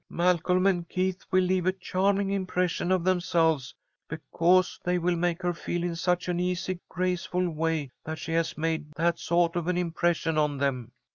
Malcolm and Keith will leave a charming impression of themselves, because they will make her feel in such an easy graceful way that she has made that sawt of an impression on them.